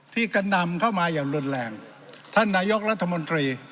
กระนำเข้ามาอย่างรุนแรงท่านนายกรัฐมนตรี